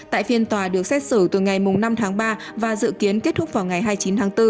tại phiên tòa được xét xử từ ngày năm tháng ba và dự kiến kết thúc vào ngày hai mươi chín tháng bốn